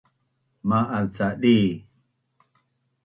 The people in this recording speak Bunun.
Ma’az ca di?